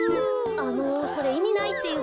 あのそれいみないっていうか